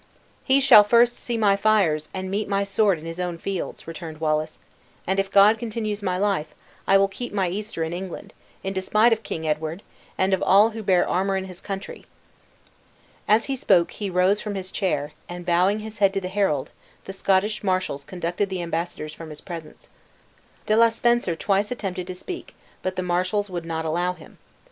"He shall first see my fires, and meet my sword in his own fields," returned Wallace; "and if God continues my life, I will keep my Easter in England, in despite of King Edward, and of all who bear armor in his country!" As he spoke he rose from his chair, and bowing his head to the herald, the Scottish marshals conducted the embassadors from his presence. Le de Spencer twice attempted to speak, but the marshals would not allow him.